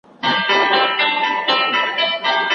زه به خپله مطالعه په کتابتون کې کوم.